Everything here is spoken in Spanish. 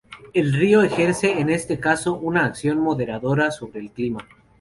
El río ejerce en este caso una acción moderadora sobre el clima.